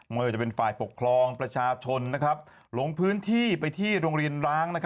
ไม่ว่าจะเป็นฝ่ายปกครองประชาชนลงพื้นที่ไปที่โรงเรียนร้าง